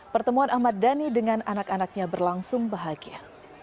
pertemuan ahmad dhani dengan anak anaknya berlangsung bahagia